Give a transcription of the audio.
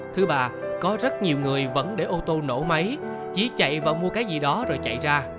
thứ ba có rất nhiều người vẫn để ô tô nổ máy chỉ chạy và mua cái gì đó rồi chạy ra